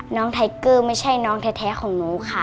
ไทเกอร์ไม่ใช่น้องแท้ของหนูค่ะ